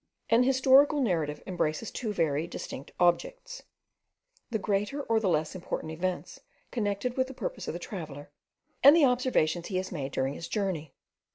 An historical narrative embraces two very distinct objects; the greater or the less important events connected with the purpose of the traveller, and the observations he has made during his journey.